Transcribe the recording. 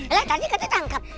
eh tadi kata tangkap